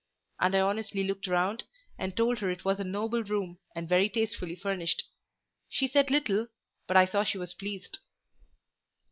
And I honestly looked round, and told her it was a noble room, and very tastefully furnished. She said little, but I saw she was pleased.